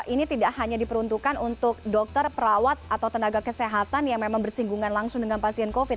ini tidak hanya diperuntukkan untuk dokter perawat atau tenaga kesehatan yang memang bersinggungan langsung dengan pasien covid